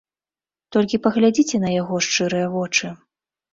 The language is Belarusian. Толькі паглядзіце на яго шчырыя вочы.